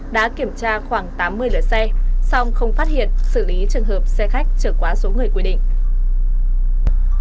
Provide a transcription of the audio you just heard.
đã kiểm tra khoảng tám mươi lửa xe xong không phát hiện xử lý trường hợp xe khách chở quá số người quyết định